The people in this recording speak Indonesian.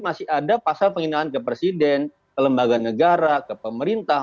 masih ada pasal penghinaan ke presiden ke lembaga negara ke pemerintah